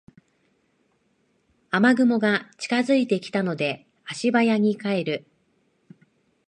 雨雲が近づいてきたので足早に帰る